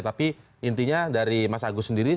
tapi intinya dari mas agus sendiri